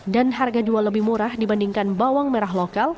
dan harga jual lebih murah dibandingkan bawang merah lokal